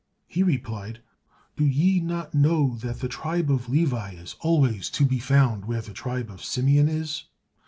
He replied, "Do ye not know that the tribe of Levi is always to be found where the tribe of Simeon is?"